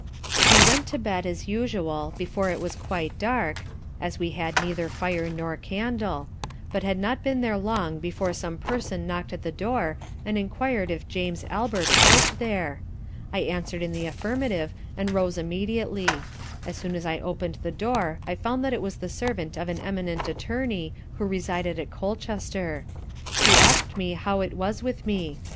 We went to bed, as usual, before it was quite dark, (as we had neither fire nor candle) but had not been there long before some person knocked at the door & enquir'd if James Albert lived there? I answer'd in the affirmative, and rose immediately; as soon as I open'd the door I found it was the servant of an eminent Attorney who resided at Colchester. He ask'd me how it was with me?